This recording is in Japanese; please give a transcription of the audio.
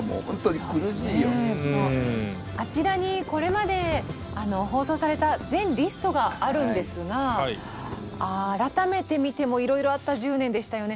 あちらにこれまで放送された全リストがあるんですが改めて見てもいろいろあった１０年でしたよね。